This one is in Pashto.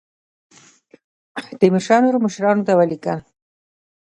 تیمورشاه نورو مشرانو ته ولیکل.